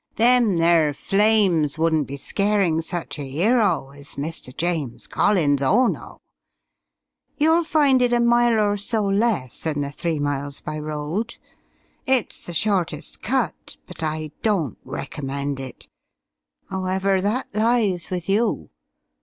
"Them there flames wouldn't be scarin' such a 'ero as Mr. James Collins. Oh no! You'll find it a mile or so less than the three miles by road. It's the shortest cut, but I don't recommend it. 'Owever, that lies with you.